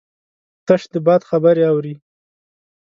تش د باد خبرې اوري